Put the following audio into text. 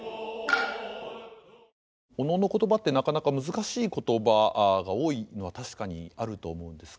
お能の言葉ってなかなか難しい言葉が多いのは確かにあると思うんですけれども。